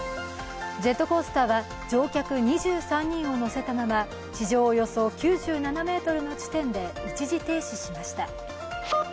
ジェットコースターは乗客２３人を乗せたまま、地上およそ９７ｍの地点で一時停止しました。